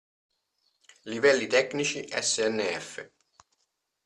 Livelli tecnici SNF.